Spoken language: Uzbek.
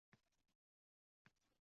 Kerakmas, azizim. Xudo yorlaqasin seni.